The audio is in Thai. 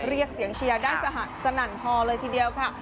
เรียกเสียงเชียร์ได้สนั่นฮอเลยทีเดียวค่ะ